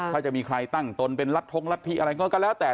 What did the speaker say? ถ้าจะมีใครตั้งตนเป็นรัฐทงรัฐธิอะไรก็แล้วแต่